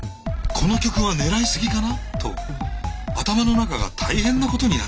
「この曲は狙いすぎかな」と頭の中が大変なことになっている。